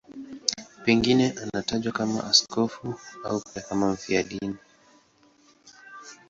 Pengine anatajwa kama askofu au pia kama mfiadini.